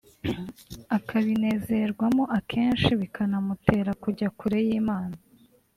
akabinezerwamo akenshi bikana mutera kujya kure y’Imana